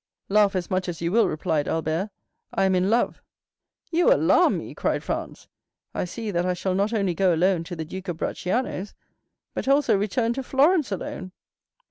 "Laugh as much as you will," replied Albert, "I am in love." "You alarm me," cried Franz. "I see that I shall not only go alone to the Duke of Bracciano's, but also return to Florence alone."